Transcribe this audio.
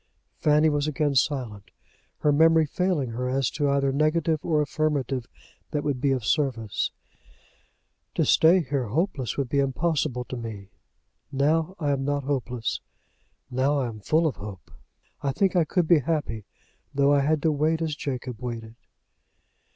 Fanny was again silent, her memory failing her as to either negative or affirmative that would be of service. "To stay here hopeless would be impossible to me. Now I am not hopeless. Now I am full of hope. I think I could be happy, though I had to wait as Jacob waited."